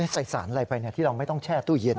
ใส่สารอะไรไปที่เราไม่ต้องแช่ตู้เย็น